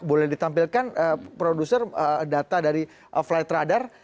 boleh ditampilkan produser data dari flight radar